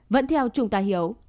vẫn theo chúng ta hiểu